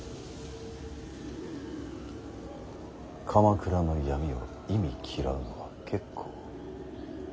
鎌倉の闇を忌み嫌うのは結構。